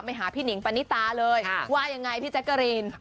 หาพี่หนิงปณิตาเลยว่ายังไงพี่แจ๊กกะรีน